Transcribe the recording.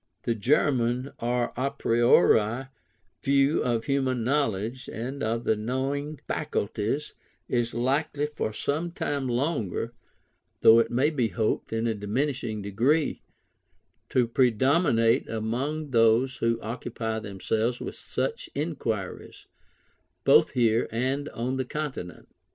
The German, or a priori view of human knowledge, and of the knowing faculties, is likely for some time longer (though it may be hoped in a diminishing degree) to predominate among those who occupy themselves with such inquiries, both here and on the Continent.